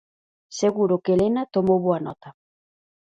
Seguro que Helena tomou boa nota.